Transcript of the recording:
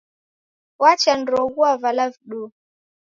Wacha niroghua vala viduu.